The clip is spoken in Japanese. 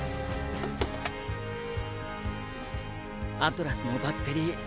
アトラスのバッテリー。